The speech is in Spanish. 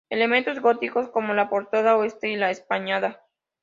Elementos góticos como la portada oeste y la espadaña.